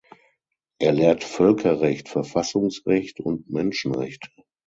Er lehrt Völkerrecht, Verfassungsrecht und Menschenrechte.